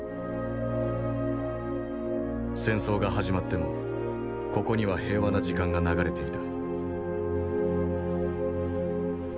戦争が始まってもここには平和な時間が流れていた。